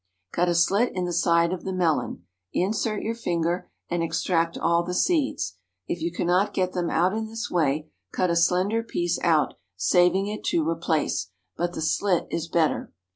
Cut a slit in the side of the melon; insert your finger and extract all the seeds. If you cannot get them out in this way, cut a slender piece out, saving it to replace,—but the slit is better.